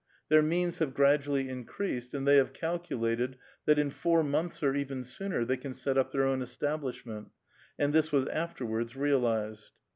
Their means have gradually increased, and they have calculated tliat in four mouths or even sooner they can set up their owu establishment. And this was afterwards realized.